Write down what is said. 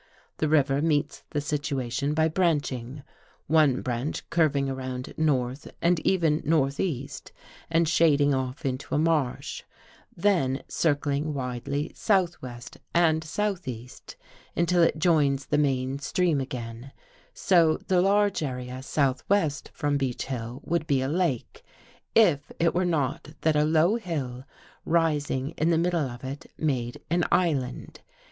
The river meets the situation by branching; one branch curving around north and even northeast, and shading off into a marsh, then circling widely southwest and southeast, until it joins the main stream again, so the large area southwest from Beech Hill would be a lake, if it were not that a low hill rising in the middle of It, made an Island.